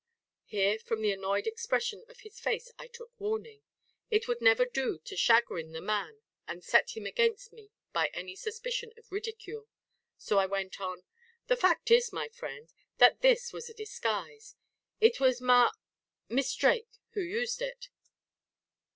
here from the annoyed expression of his face I took warning. It would never do to chagrin the man and set him against me by any suspicion of ridicule. So I went on: "The fact is, my friend, that this was a disguise. It was Mar Miss Drake who used it!"